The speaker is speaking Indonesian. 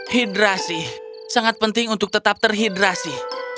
hidrasi sangat penting untuk tetap terhidrasi